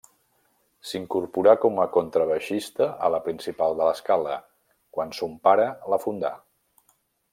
S'incorporà com a contrabaixista a la Principal de l'Escala quan son pare la fundà.